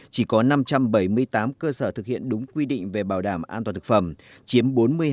chỉ có năm trăm bảy mươi tám cơ sở thực hiện đúng quy định về bảo đảm an toàn thực phẩm chiếm bốn mươi hai